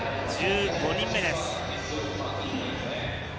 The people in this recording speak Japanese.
１５人目です。